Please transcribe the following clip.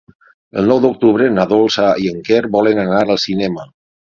El nou d'octubre na Dolça i en Quer volen anar al cinema.